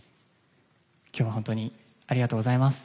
今日は本当にありがとうございます。